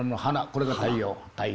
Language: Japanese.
これが太陽。